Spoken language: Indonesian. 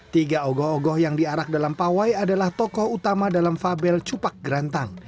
tiga ogoh ogoh yang diarak dalam pawai adalah tokoh utama dalam fabel cupak gerantang